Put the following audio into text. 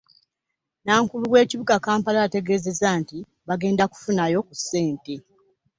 Nnankulu w'ekibuga Kampala ategeezezza nti bagenda kufunayo ku ssente.